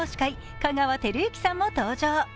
香川照之さんも登場。